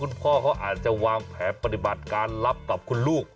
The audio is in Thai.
พ่อเขาอาจจะวางแผนปฏิบัติการรับกับคุณลูก